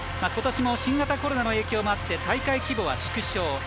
ことしも新型コロナの影響があって大会規模は縮小。